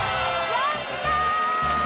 やったー！